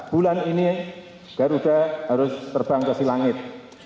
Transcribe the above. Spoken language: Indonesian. bulan ini garuda harus terbang ke silangit